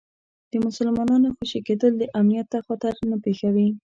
د مسلمانانو خوشي کېدل امنیت ته خطر نه پېښوي.